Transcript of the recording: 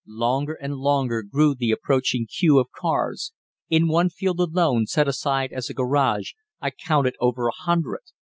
Longer and longer grew the approaching queue of cars. In one field alone, set aside as a garage, I counted over a hundred.